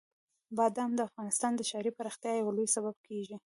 بادام د افغانستان د ښاري پراختیا یو لوی سبب کېږي.